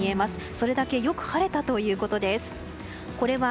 それだけよく晴れたということです。